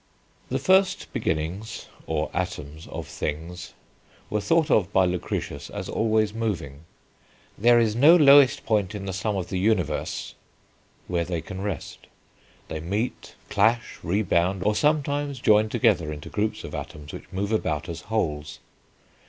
The first beginnings, or atoms, of things were thought of by Lucretius as always moving; "there is no lowest point in the sum of the universe" where they can rest; they meet, clash, rebound, or sometimes join together into groups of atoms which move about as wholes.